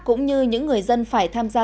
cũng như những người dân phải tham gia